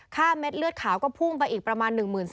เม็ดเลือดขาวก็พุ่งไปอีกประมาณ๑๔๐๐